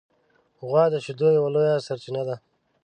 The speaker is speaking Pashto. غوا د شیدو یوه لویه سرچینه ده.